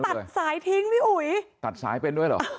ตัดสายทิ้งพี่อุ๋ยตัดสายเป็นด้วยเหรอ